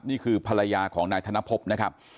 นี่คือภรรยาของนายธนพบนะครับ